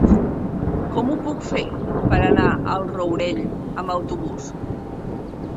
Com ho puc fer per anar al Rourell amb autobús?